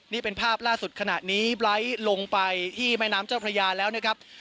นี่เป็นภาพล่าสุดขณะนี้ไลท์ลงไปที่แม่น้ำเจ้าพระยาแล้วนะครับ